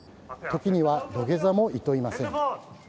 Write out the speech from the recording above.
時には土下座もいといません。